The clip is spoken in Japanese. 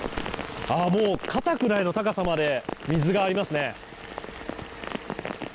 もう肩くらいの高さまで水がありますね。